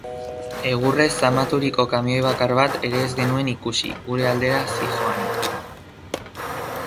Egurrez zamaturiko kamioi bakar bat ere ez genuen ikusi gure aldera zihoanik.